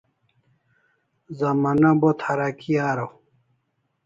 Zamana bo tharaki araw